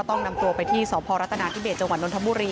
ต้องนำตัวไปที่สพรัฐนาธิเบสจังหวัดนทบุรี